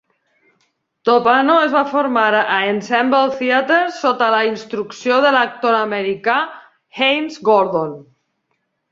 Toppano es va formar a Ensemble Theatre sota la instrucció de l'actor americà Hayes Gordon.